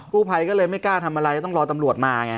ผู้ภัยก็เลยไม่กล้าทำอะไรก็ต้องรอตำรวจมาไง